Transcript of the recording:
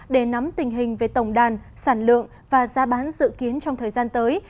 để nắm tình hình về tổng đàn sản lượng và giá bán dự kiến trong thời gian tới